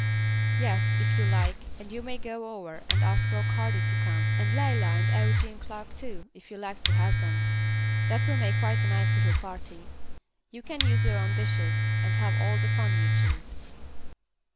"Yes, if you like, and you may go over and ask Rock Hardy to come, and Leila and Eugene Clark too, if you like to have them. That will make quite a nice little party. You can use your own dishes, and have all the fun you choose."